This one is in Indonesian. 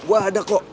gue ada kok